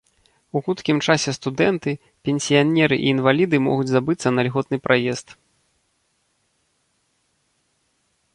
У хуткім часе студэнты, пенсіянеры і інваліды могуць забыцца на ільготны праезд.